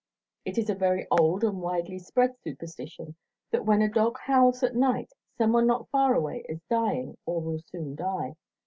It is a very old and widely spread superstition that when a dog howls at night someone not far away is dying or will soon die.